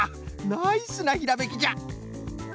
ナイスなひらめきじゃ！